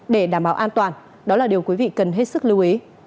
để đảm bảo an toàn đó là điều quý vị cần hết sức lưu ý